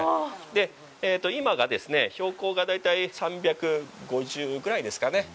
今が標高が大体３５０ぐらいですかね。